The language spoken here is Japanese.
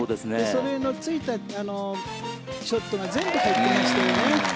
そのついたショットが全部入っていましたよね。